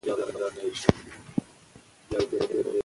د جګړې پايلې همېشه د افغانانو زړونو ته زیان رسوي.